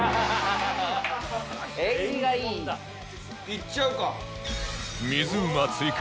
いっちゃうか。